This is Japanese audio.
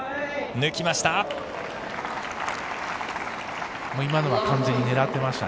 抜きました！